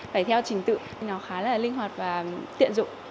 phải theo trình tự nó khá là linh hoạt và tiện dụng